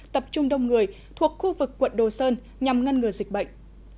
tập trung đông người thuộc khu vực quận đồ sơn nhằm ngăn ngừa dịch bệnh